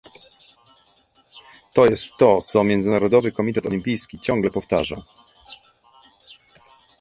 To jest to, co Międzynarodowy Komitet Olimpijski ciągle powtarza